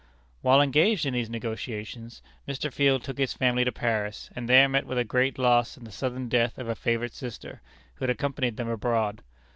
While engaged in these negotiations, Mr. Field took his family to Paris, and there met with a great loss in the sudden death of a favorite sister, who had accompanied them abroad.